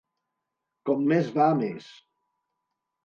Com més va més.